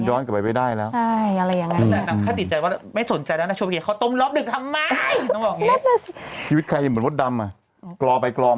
ชอบเขากล่องเพราะไม่ได้ยินหน่านะคำว่ากล่อง